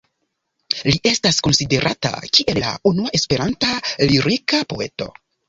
Li estas konsiderata kiel la unua Esperanta lirika poeto.